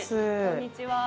こんにちは。